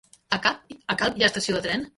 A Calp hi ha estació de tren?